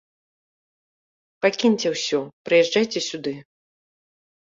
Пакіньце ўсё, прыязджайце сюды.